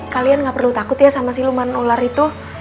kalian gak perlu takut ya sama siluman ular itu